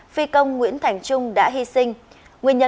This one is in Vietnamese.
phi công nguyễn thành trung đã hy sinh